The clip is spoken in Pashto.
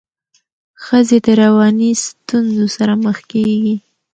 ښځي د رواني ستونزو سره مخ کيږي.